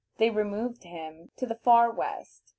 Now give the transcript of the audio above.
They removed him to the far West.